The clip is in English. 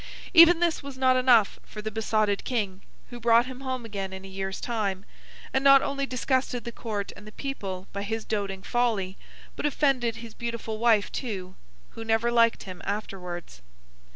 Even this was not enough for the besotted King, who brought him home again in a year's time, and not only disgusted the Court and the people by his doting folly, but offended his beautiful wife too, who never liked him afterwards.